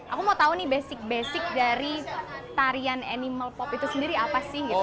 aku mau tahu nih basic basic dari tarian animal pop itu sendiri apa sih gitu